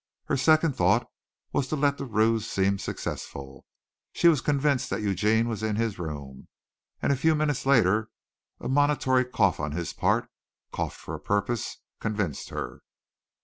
Her second thought was to let the ruse seem successful. She was convinced that Eugene was in his room, and a few moments later a monitory cough on his part coughed for a purpose convinced her.